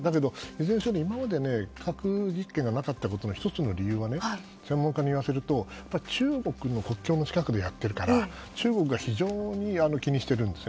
いずれにしても今まで核実験がなかったことの１つの理由は専門家にいわせると中国の国境の近くでやっているから中国が非常に気にしてるんです。